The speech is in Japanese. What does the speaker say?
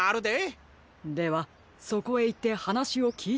ではそこへいってはなしをきいてみましょう。